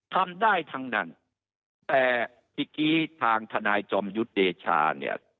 ทำได้ทั้งนั้นแต่เมื่อกี้ทางทนายจอมยุทธ์เดชาเนี่ย